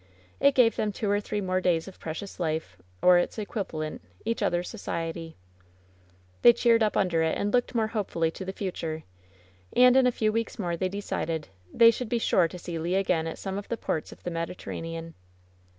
It gave them two or three more days of precious life, or its equivalent — each other's society. They cheered up xmder it and looked more hopefully to the future. And in a few weeks more, they decided, they should be sure to see Le again at some of the ports of the Mediterranean.